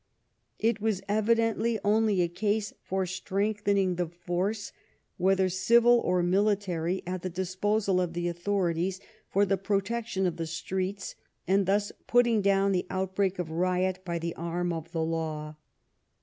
It was evidently only a case for strengthening the force, whether civil or military, at the disposal of the authorities, for the protection of the streets and thus putting down the outbreak of riot by the arm of the law.